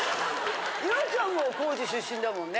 岩ちゃんも高知出身だもんね。